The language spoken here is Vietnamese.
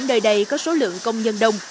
nơi đây có số lượng công nhân đông